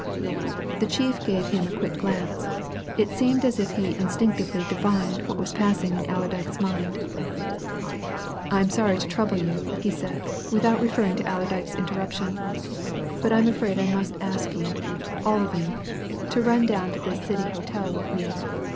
The chief gave him a quick glance; it seemed as if he instinctively divined what was passing in Allerdyke's mind. "I'm sorry to trouble you," he said, without referring to Allerdyke's interruption, "but I'm afraid I must ask you all of you to run down to this City hotel with me.